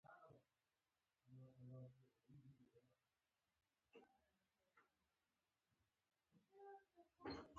سبا به موږ د تیزابونو او القلي په اړه بحث کوو